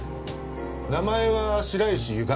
名前は白石ゆか。